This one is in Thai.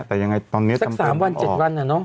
แต่ยังไงตอนเนี้ยสักสามวันเจ็ดวันอ่ะเนอะ